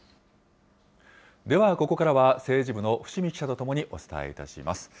ではここからは、政治部の伏見記者と共にお伝えいたします。